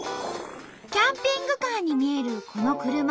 キャンピングカーに見えるこの車。